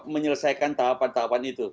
menyelesaikan tahapan tahapan itu